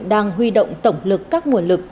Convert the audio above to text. đang huy động tổng lực các nguồn lực